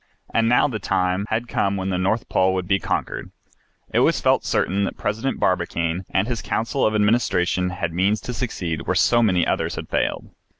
And now the time had come when the North Pole would be conquered. It was felt certain that President Barbicane and his Council of Administration had means to succeed where so many others had failed.